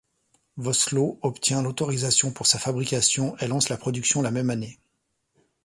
Vossloh obtient l’autorisation pour sa fabrication et lance la production la même année.